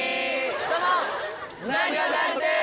どうもなにわ男子です！